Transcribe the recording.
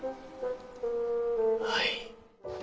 はい。